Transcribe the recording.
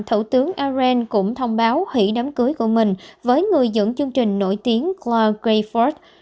thủ tướng arendt cũng thông báo hủy đám cưới của mình với người dẫn chương trình nổi tiếng claude greyford